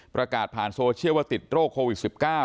ประกาศผ่านโซเชียลว่าติดโรคโควิด๑๙